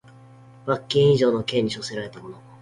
罰金以上の刑に処せられた者